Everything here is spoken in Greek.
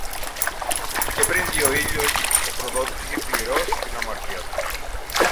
Και πριν βγει ο ήλιος, ο προδότης είχε πληρώσει την αμαρτία του.